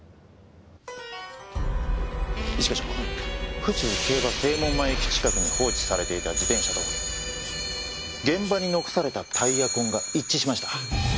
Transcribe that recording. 一課長府中競馬正門前駅近くに放置されていた自転車と現場に残されたタイヤ痕が一致しました。